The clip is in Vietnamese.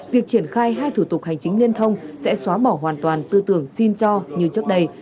việc triển khai hai thủ tục hành chính liên thông sẽ xóa bỏ hoàn toàn tư tưởng xin cho như trước đây